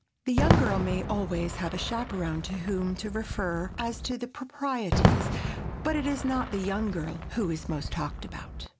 The young girl may always have a chaperon to whom to refer as to the proprieties, but it is not the young girl who is most talked about.